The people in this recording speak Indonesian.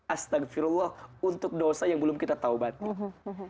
astagfirullah untuk dosa yang belum kita taubatin